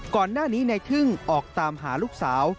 ก่อนหน้านี้ในทึ่งออกตามหาลูกสาว